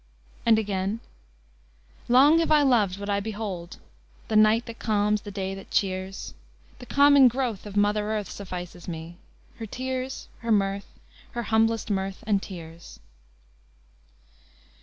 And again: "Long have I loved what I behold, The night that calms, the day that cheers; The common growth of mother earth Suffices me her tears, her mirth, Her humblest mirth and tears."